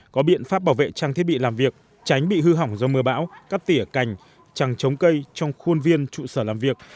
có biện pháp bảo vệ trang thiết bị làm việc tránh bị hư hỏng do mưa bão cắt tỉa cành chẳng chống cây trong khuôn viên trụ sở làm việc